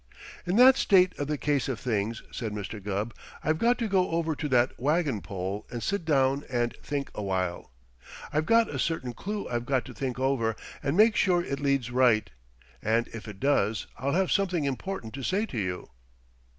"In that state of the case of things," said Mr. Gubb, "I've got to go over to that wagon pole and sit down and think awhile. I've got a certain clue I've got to think over and make sure it leads right, and if it does I'll have something important to say to you."